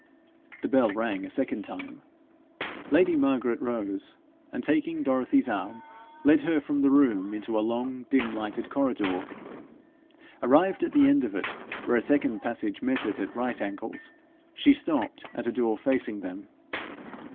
The bell rang a second time. Lady Margaret rose, and taking Dorothy's arm, led her from the room into a long dim lighted corridor. Arrived at the end of it, where a second passage met it at right angles, she stopped at a door facing them.